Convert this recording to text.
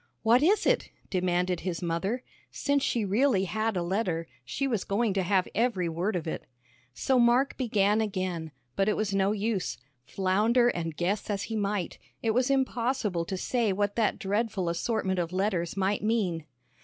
"What is it?" demanded his mother. Since she really had a letter, she was going to have every word of it. So Mark began again, but it was no use. Flounder and guess as he might, it was impossible to say what that dreadful assortment of letters might mean.